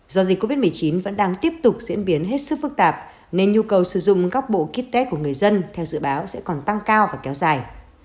do dịch covid một mươi chín vẫn đang tiếp tục diễn biến hết sức phức tạp nên nhu cầu sử dụng các bộ kit test của người dân theo dự báo sẽ còn tăng cao và kéo dài